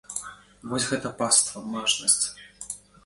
Вось гэта пастава, мажнасць!